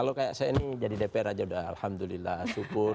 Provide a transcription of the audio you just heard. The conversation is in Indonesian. saya ini jadi dpr aja sudah alhamdulillah syukur